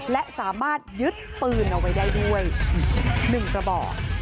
และสามารถยึดปืนเอาไว้ได้ด้วย๑กระบอก